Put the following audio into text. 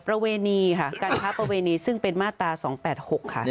ประเวณีค่ะการค้าประเวณีซึ่งเป็นมาตรา๒๘๖ค่ะ